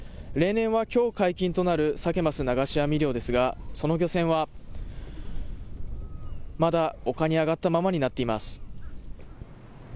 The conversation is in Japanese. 例年はきょう解禁となるサケマス流し網漁ですがその漁船はまだ丘に上がったままになっています。